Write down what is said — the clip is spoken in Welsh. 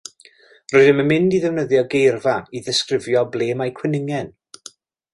Rydym yn mynd i ddefnyddio geirfa i ddisgrifio ble mae cwningen.